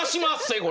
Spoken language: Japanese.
これ。